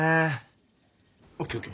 ＯＫＯＫ。